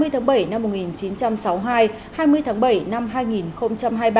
hai mươi tháng bảy năm một nghìn chín trăm sáu mươi hai hai mươi tháng bảy năm hai nghìn hai mươi ba